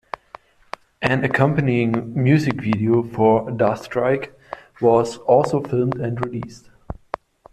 An accompanying music video for "Da Strike" was also filmed and released.